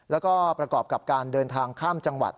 แล้วก็ประกอบกับการเดินทางข้ามจังหวัด